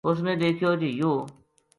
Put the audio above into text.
اس نے دیکھیو جی یوہ